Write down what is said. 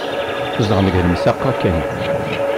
Zedɣen deg lemsaq-a kan.